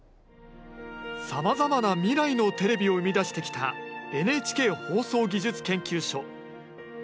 さまざまな未来のテレビを生み出してきたＮＨＫ放送技術研究所。